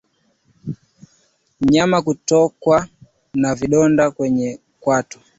Mnyama kutokwa na vidonda kwenye kwato